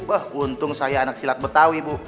wah untung saya anak silat betawi bu